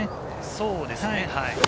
そうですね。